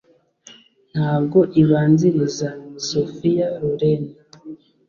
ntabwo ibanziriza - sophia loren